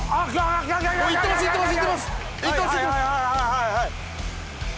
はいはい。